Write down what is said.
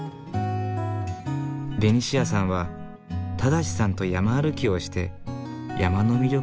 ベニシアさんは正さんと山歩きをして山の魅力を初めて知った。